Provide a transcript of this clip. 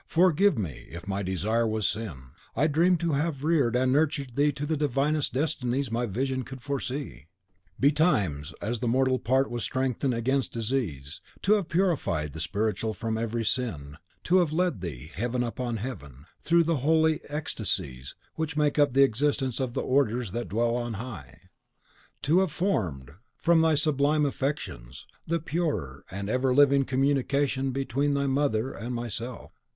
"Forgive me, if my desire was sin; I dreamed to have reared and nurtured thee to the divinest destinies my visions could foresee. Betimes, as the mortal part was strengthened against disease, to have purified the spiritual from every sin; to have led thee, heaven upon heaven, through the holy ecstasies which make up the existence of the orders that dwell on high; to have formed, from thy sublime affections, the pure and ever living communication between thy mother and myself.